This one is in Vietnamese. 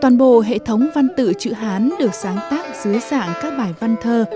toàn bộ hệ thống văn tự chữ hán được sáng tác dưới dạng các bài văn thơ